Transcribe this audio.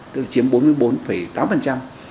tức là chiếm bốn mươi bốn tám